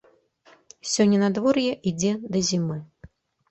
Сёння надвор'е ідзе да зімы.